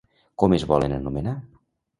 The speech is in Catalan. Com es volen anomenar?